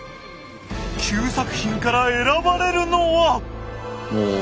９作品から選ばれるのは。